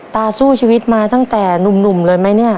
สู้ชีวิตมาตั้งแต่หนุ่มเลยไหมเนี่ย